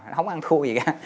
nó không ăn thua gì cả